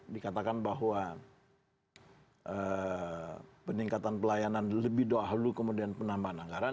dikatakan bahwa peningkatan pelayanan lebih dahulu kemudian penambahan anggaran